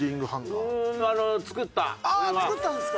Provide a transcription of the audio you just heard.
作ったんですか